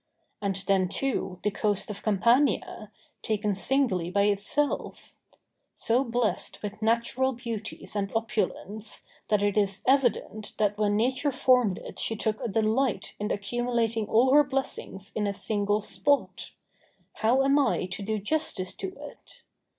And then, too, the coast of Campania, taken singly by itself! so blest with natural beauties and opulence, that it is evident that when nature formed it she took a delight in accumulating all her blessings in a single spot—how am I to do justice to it?